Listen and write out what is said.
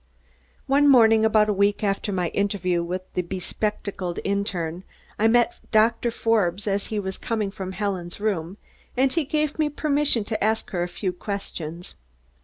One morning, about a week after my interview with the be spectacled interne, I met Doctor Forbes as he was coming from Helen's room and he gave me permission to ask her a few questions.